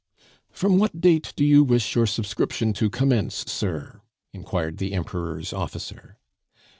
"From what date do you wish your subscription to commence, sir?" inquired the Emperor's officer.